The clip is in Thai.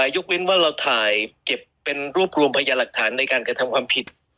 ยกเว้นว่าเราถ่ายเก็บเป็นรวบรวมพยาหลักฐานในการกระทำความผิด